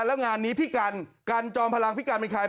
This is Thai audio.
แล้วงานนี้พี่กันกันจอมพลังพี่กันเป็นใคร